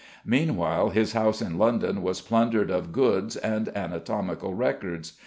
Meanwhile his house in London was plundered of goods and anatomical records.